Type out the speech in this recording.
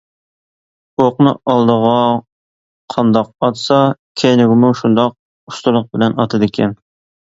ئوقنى ئالدىغا قانداق ئاتسا، كەينىگىمۇ شۇنداق ئۇستىلىق بىلەن ئاتىدىكەن.